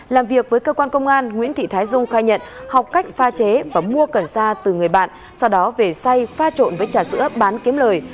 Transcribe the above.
làm việc với cơ quan công an nguyễn thị thái dung khai nhận học cách pha chế và mua cần sa từ người bạn sau đó về say pha trộn với trà sữa bán kiếm lời